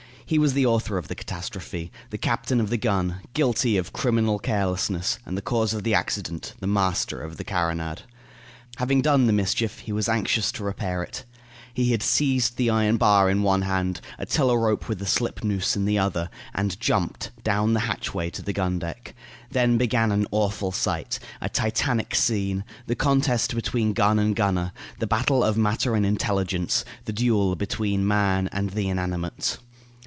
He was the author of the catastrophe, the captain of the gun, guilty of criminal carelessness, and the cause of the accident, the master of the carronade. Having done the mischief, he was anxious to repair it. He had seized the iron bar in one hand, a tiller rope with a slip noose in the other, and jumped, down the hatchway to the gun deck. Then began an awful sight; a Titanic scene; the contest between gun and gunner; the battle of matter and intelligence; the duel between man and the inanimate.